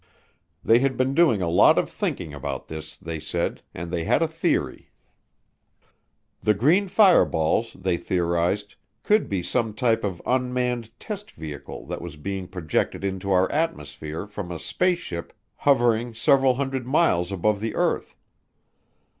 They had been doing a lot of thinking about this, they said, and they had a theory. The green fireballs, they theorized, could be some type of unmanned test vehicle that was being projected into our atmosphere from a "spaceship" hovering several hundred miles above the earth.